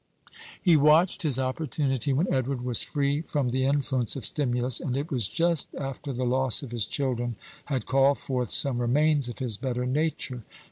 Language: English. He watched his opportunity when Edward was free from the influence of stimulus, and it was just after the loss of his children had called forth some remains of his better nature.